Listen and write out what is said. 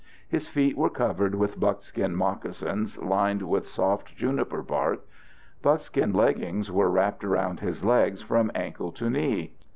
His feet were covered with buckskin moccasins lined with soft juniper bark. Buckskin leggings were wrapped around his legs from ankle to knee.